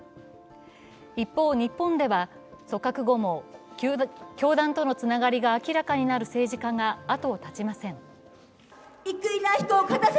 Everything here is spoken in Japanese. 一方、日本では組閣後も教団とのつながりが明らかになる政治家が後を絶ちません。